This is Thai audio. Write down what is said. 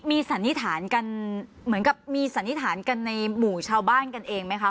มีสันนิษฐานกันเหมือนกับมีสันนิษฐานกันในหมู่ชาวบ้านกันเองไหมคะ